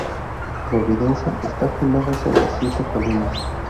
Providence está fundada sobre siete colinas.